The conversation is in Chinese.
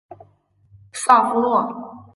萨夫洛。